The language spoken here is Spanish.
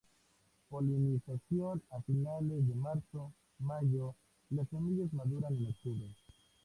Polinización a finales de marzo-mayo, las semillas maduran en octubre.